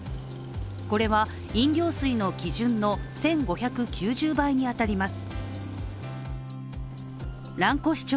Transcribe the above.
これは飲料水の基準の１５９０倍に当たります。